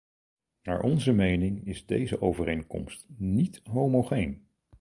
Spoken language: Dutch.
Naar onze mening is deze overeenkomst niet homogeen.